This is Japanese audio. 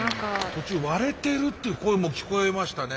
途中割れてるっていう声も聞こえましたね。